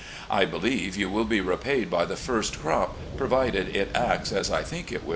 I believe you will be repaid by the first crop, provided it acts as I think it wiU.